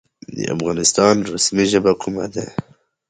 د افغانستان رسمي ژبې کومې دي؟